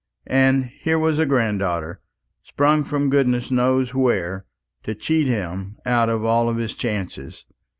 And here was a granddaughter, sprung from goodness knows where, to cheat him out of all his chances.